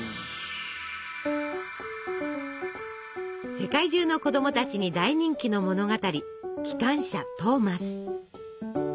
世界中の子供たちに大人気の物語「きかんしゃトーマス」。